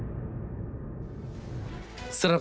สวัสดีค่ะต้องรับคุณผู้ชมเข้าสู่ชูเวสตีศาสตร์หน้า